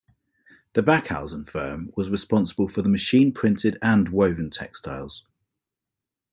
The Backhausen firm was responsible for the machine-printed and woven textiles.